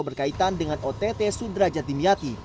berkaitan dengan ott sudra jatimiyati